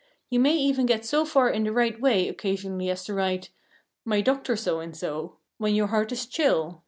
You may even get so far in the right way occasionally as to write, "My dr. So and so," when your heart is chill.